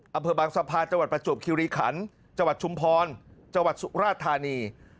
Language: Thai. อำเภอบางสะพานจังหวัดประจวบคิวรีขันจังหวัดชุมพรจังหวัดสุราธานี